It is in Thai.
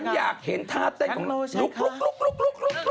เพราะวันนี้หล่อนแต่งกันได้ยังเป็นสวย